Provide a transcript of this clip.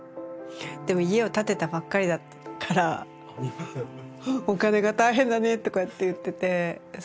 でも家を建てたばっかりだからお金が大変だねとかって言ってて。